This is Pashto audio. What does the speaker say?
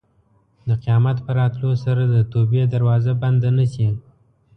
د قیامت په راتلو سره د توبې دروازه بنده نه شي.